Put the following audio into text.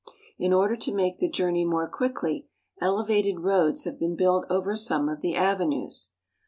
In order to make the journey more quickly elevated roads have been built over some of the avenues.